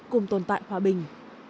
cùng tồn tại hòa bình